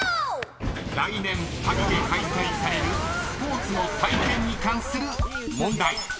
［来年パリで開催されるスポーツの祭典に関する問題］